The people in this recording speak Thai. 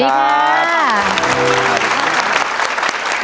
สวัสดีครับ